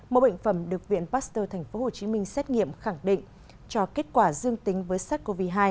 mẫu bệnh phẩm được viện pasteur tp hồ chí minh xét nghiệm khẳng định cho kết quả dương tính với sars cov hai